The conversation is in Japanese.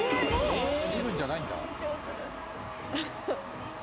見るんじゃないんだ。